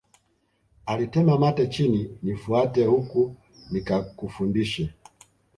Alitema mate chini nifuate huku nikakufundishe